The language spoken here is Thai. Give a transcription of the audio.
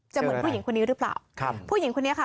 เหมือนผู้หญิงคนนี้หรือเปล่าครับผู้หญิงคนนี้ค่ะ